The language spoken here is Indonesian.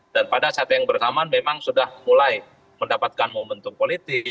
dan pada saat yang bersamaan memang sudah mulai mendapatkan momentum politik